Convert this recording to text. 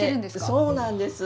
そうなんです。